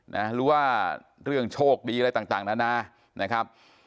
หรือว่าเรื่องโชคดีอะไรต่างนานานะครับ